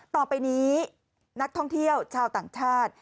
ต่อไปนี้นักท่องเที่ยวชาวต่างชาติ